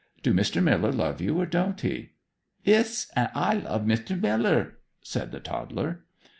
Do Mr. Miller love you or don't he?' 'Iss! An' I love Mr. Miller,' said the toddler.